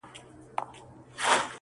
• او یوازي په دې لوی کور کي تنهاده -